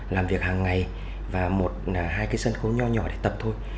làm việc hàng ngày và một hai cái sân khấu nhỏ nhỏ để tập thôi